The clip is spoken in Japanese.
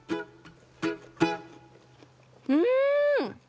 うん！